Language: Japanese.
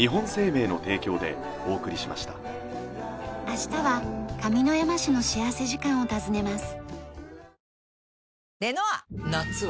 明日は上山市の幸福時間を訪ねます。